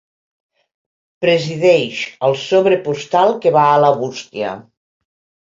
Presideix el sobre postal que va a la bústia.